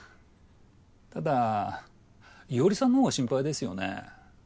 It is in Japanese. ただ伊織さんの方が心配ですよね。